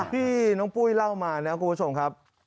ที่น้องปุ้ยเล่ามานะคุณผู้ชมครับ